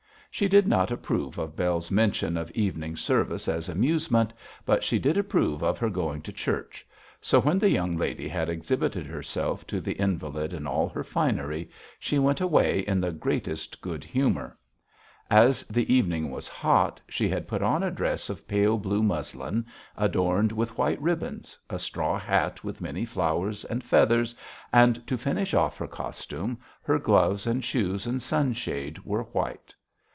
She did not approve of Bell's mention of evening service as amusement, but she did approve of her going to church, so when the young lady had exhibited herself to the invalid in all her finery, she went away in the greatest good humour. As the evening was hot, she had put on a dress of pale blue muslin adorned with white ribbons, a straw hat with many flowers and feathers, and to finish off her costume, her gloves and shoes and sunshade were white.